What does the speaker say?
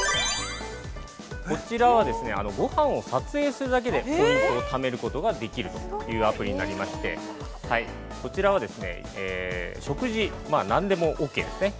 こちらはですね、ごはんを撮影するだけでポイントをためることができるというアプリになりまして、こちらは、食事、何でもオーケーですね。